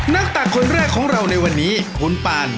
ตักคนแรกของเราในวันนี้คุณปาน